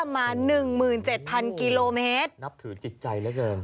มาหนึ่งหมื่นเจ็ดพันกิโลเมตรนับถือจิตใจแล้วเกิน